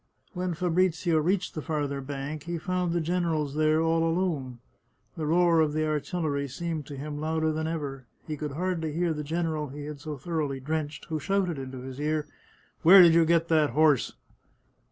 When Fabrizio reached the farther bank, he found the generals there all alone. The roar of the artillery seemed to him louder than ever. He could hardly hear the general he had so thoroughly drenched, who shouted into his ear: " Where did you get that horse